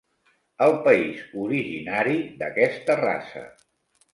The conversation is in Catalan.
El país originari d'aquesta raça.